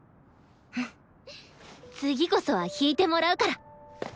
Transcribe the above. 次こそは弾いてもらうから！